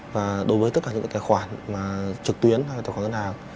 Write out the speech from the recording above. và đối với tất cả những tài khoản trực tuyến hay tài khoản ngân hàng